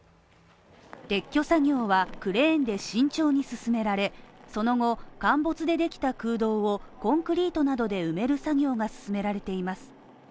撤去作業はクレーンで慎重に進められ、その後、陥没でできた空洞をコンクリートなどで埋める作業が進められています。